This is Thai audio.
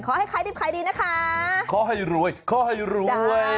ขอให้ขายดิบขายดีนะคะขอให้รวยขอให้รวย